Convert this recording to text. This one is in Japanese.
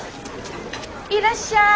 いらっしゃい！